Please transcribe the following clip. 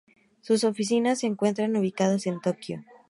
Sus oficinas se encuentran ubicadas en Tokio.